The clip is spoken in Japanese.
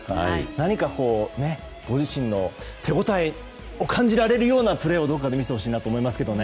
何か、ご自身の手応えを感じられるようなプレーをどこかで見せてほしいと思いますけどね。